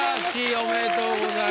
おめでとうございます。